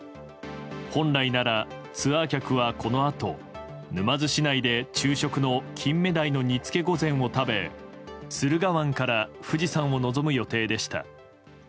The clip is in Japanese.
本来ならツアー客はこのあと沼津市内で昼食のキンメダイの煮つけ御膳を食べ駿河湾から富士山を望む予定でした。